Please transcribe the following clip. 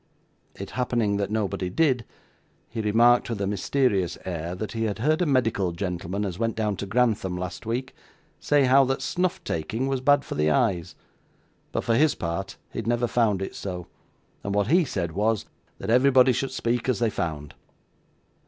It happening that nobody did, he remarked with a mysterious air that he had heard a medical gentleman as went down to Grantham last week, say how that snuff taking was bad for the eyes; but for his part he had never found it so, and what he said was, that everybody should speak as they found.